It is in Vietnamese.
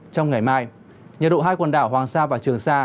trong ngày mai nhiệt độ hai quần đảo hoàng sa và trường sa